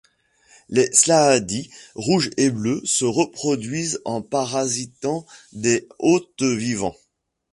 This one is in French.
Les slaadi rouges et bleus se reproduisent en parasitant des hôtes vivants.